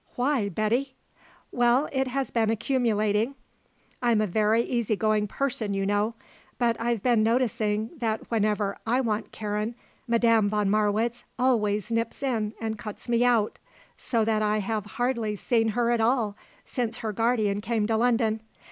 Why, Betty?" "Well, it has been accumulating. I'm a very easy going person, you know; but I've been noticing that whenever I want Karen, Madame von Marwitz always nips in and cuts me out, so that I have hardly seen her at all since her guardian came to London.